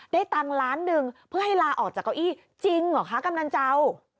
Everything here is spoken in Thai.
ตังค์ล้านหนึ่งเพื่อให้ลาออกจากเก้าอี้จริงเหรอคะกำนันเจ้า